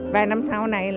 và năm sau này